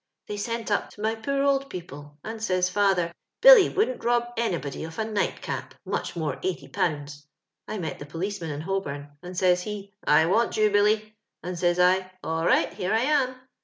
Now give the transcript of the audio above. They sent up to my poor old people, and says father, * Billy wouldn't rob anybody of a nightcap, much more 80/.* I met the pohceman in Holbom, and says he, * I want you, Billy,' and says I, * All right, here I am.'